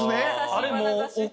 あれもう。